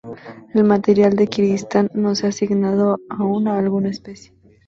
El material de Kirguistán no se ha asignado aún a alguna especie.